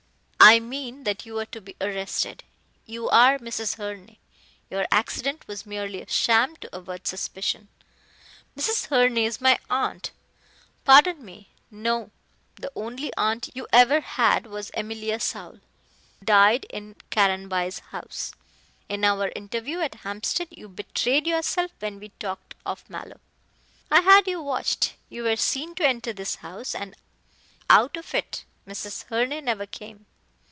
"I mean that you are to be arrested. You are Mrs. Herne. Your accident was merely a sham to avert suspicion." "Mrs. Herne is my aunt." "Pardon me, no. The only aunt you ever had was Emilia Saul, who died in Caranby's house. In our interview at Hampstead you betrayed yourself when we talked of Mallow. I had you watched. You were seen to enter this house, and out of it Mrs. Herne never came.